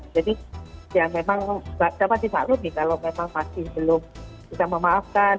jadi ya memang dapat dimaklumi kalau memang masih belum bisa memuaskan